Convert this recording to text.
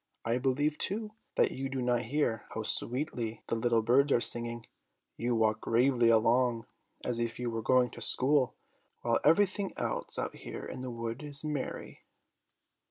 I believe, too, that you do not hear how sweetly the little birds are singing; you walk gravely along as if you were going to school, while everything else out here in the wood is merry."